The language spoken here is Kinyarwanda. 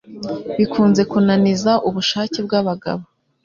bikunze kunaniza ubushake bwabagabo